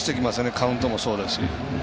カウントもそうだし。